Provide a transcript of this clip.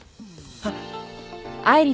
はっ。